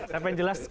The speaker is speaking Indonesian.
saya pengen jelas